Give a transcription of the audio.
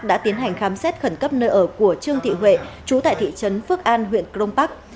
đã tiến hành khám xét khẩn cấp nơi ở của trương thị huệ chú tại thị trấn phước an huyện crong park